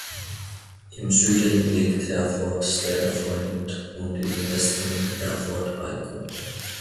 Im Süden liegt Herford-Stedefreund und im Westen Herford-Eickum.